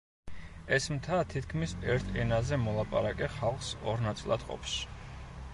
ეს მთა თითქმის ერთ ენაზე მოლაპარაკე ხალხს ორ ნაწილად ყოფს.